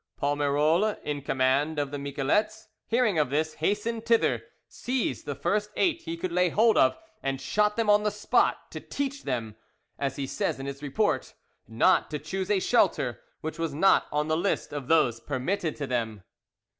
Palmerolle, in command of the miquelets, hearing of this, hastened thither, seized the first eight he could lay hold of, and shot them on the spot, "to teach them," as he says in his report, "not to choose a shelter which was not on the list of those permitted to them."